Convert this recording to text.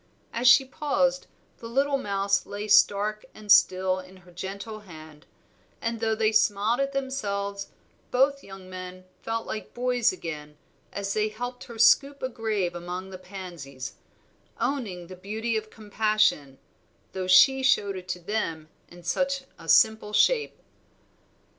As she paused, the little mouse lay stark and still in her gentle hand; and though they smiled at themselves, both young men felt like boys again as they helped her scoop a grave among the pansies, owning the beauty of compassion, though she showed it to them in such a simple shape.